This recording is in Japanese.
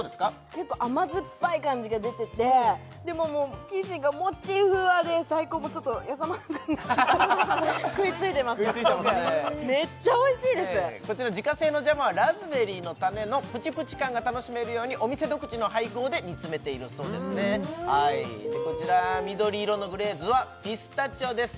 結構甘酸っぱい感じが出ててでももう生地がもちふわで最高もうやさ丸くんが食いついてますけどめっちゃおいしいですこちら自家製のジャムはラズベリーの種のプチプチ感が楽しめるようにお店独自の配合で煮詰めているそうですねこちら緑色のグレーズはピスタチオです